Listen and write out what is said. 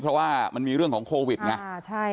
เพราะว่ามันมีเรื่องของโควิดไง